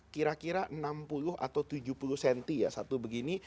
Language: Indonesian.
kira kira enam puluh atau tujuh puluh cm ya satu begini